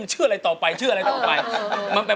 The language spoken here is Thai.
ชื่ออะไรต่อไปชื่ออะไรต่อไป